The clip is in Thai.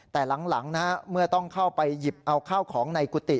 แต่หลังเมื่อต้องเข้าไปหยิบเอาข้าวของในกุฏิ